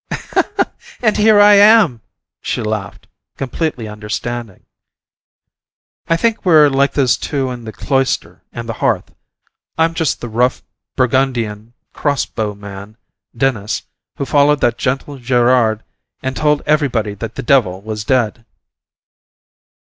"And here I am!" she laughed, completely understanding. "I think we're like those two in The Cloister and the Hearth. I'm just the rough Burgundian cross bow man, Denys, who followed that gentle Gerard and told everybody that the devil was dead."